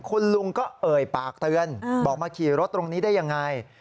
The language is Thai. คุณลุงก็เอ่ยปากเตือนบอกมาขี่รถตรงนี้ได้ยังไง